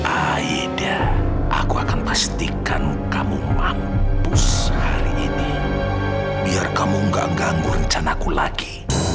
aida aku akan pastikan kamu mampu hari ini biar kamu gak ganggu rencanaku lagi